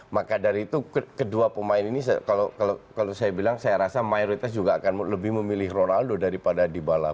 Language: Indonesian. maka dari itu kedua pemain ini kalau saya bilang saya rasa mayoritas juga akan lebih memilih ronaldo daripada dybalap